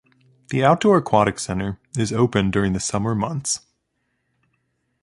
The outdoor Aquatic Center is open during the summer months.